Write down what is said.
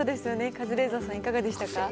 カズレーザーさん、いかがでしたか？